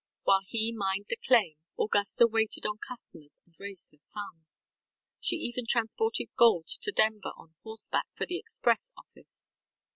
While he mined the claim, Augusta waited on customers and raised her son. She even transported gold to Denver on horseback for the express office.